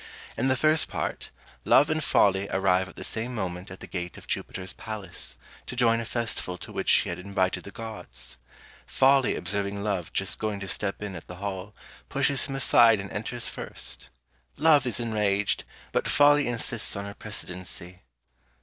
In the first part, Love and Folly arrive at the same moment at the gate of Jupiter's palace, to join a festival to which he had invited the gods. Folly observing Love just going to step in at the hall, pushes him aside and enters first. Love is enraged, but Folly insists on her precedency.